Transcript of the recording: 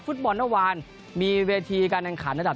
ฟุตบอลเมื่อวานมีเวทีการแข่งขันระดับ